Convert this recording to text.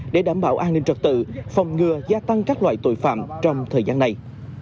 để đảm bảo an ninh trật tự phòng ngừa gia tăng các loại tội phạm trong thời gian này